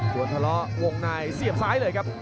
ส่วนทะเลาะวงในเสียบซ้ายเลยครับ